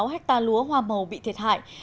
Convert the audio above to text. năm trăm năm mươi sáu hectare lúa hoa màu bị thiệt hại